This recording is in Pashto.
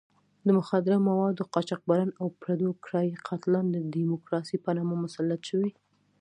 د مخدره موادو قاچاقبران او پردو کرایي قاتلان د ډیموکراسۍ په نامه مسلط شوي.